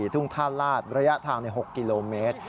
ทุ่งท่าลาศระยะทาง๖กิโลเมตร